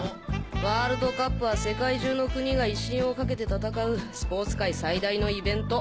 ワールドカップは世界中の国が威信をかけて戦うスポーツ界最大のイベント。